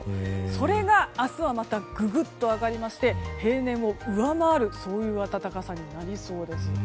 それが明日はまたググっと上がりまして平年を上回るそういう暖かさになりそうです。